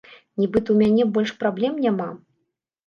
Нібыта, у мяне больш праблем няма.